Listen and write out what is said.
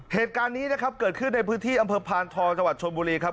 เหตุการณ์นี้นะครับเกิดขึ้นในพื้นที่อำเภอพานทองจังหวัดชนบุรีครับ